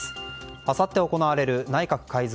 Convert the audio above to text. あさって行われる内閣改造